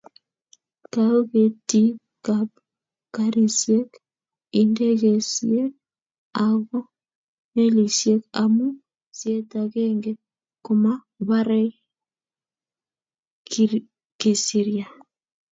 Kou ketiikab garisyek, indegeisyek ako melisyek amu sieet agenge komabaraei kisirya.